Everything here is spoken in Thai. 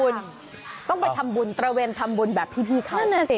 ต้องไปทำบุญตระเวนทำบุญแบบพี่เขา